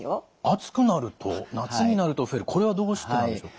暑くなると夏になると増えるこれはどうしてなんでしょう？